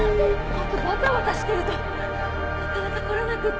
ホントバタバタしてるとなかなか来れなくって